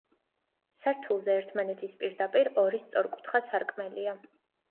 სართულზე, ერთმანეთის პირდაპირ, ორი სწორკუთხა სარკმელია.